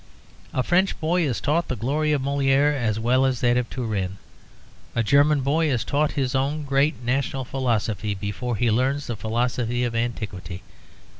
A French boy is taught the glory of Molière as well as that of Turenne; a German boy is taught his own great national philosophy before he learns the philosophy of antiquity.